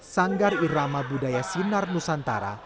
sanggar irama budaya sinar nusantara